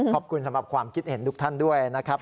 ขอบคุณสำหรับความคิดเห็นทุกท่านด้วยนะครับ